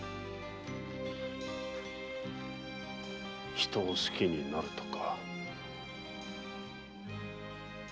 人を好きになるとは。